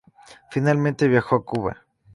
Finalmente viajó a Cuba.